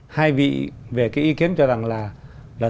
hai vị về cái ý kiến cho rằng là